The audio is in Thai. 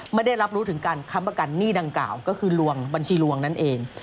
ไม่ได้รับรู้ถึงการค้ำประกันหนี้ดังกล่าวก็คือลวงบัญชีลวงนั่นเอง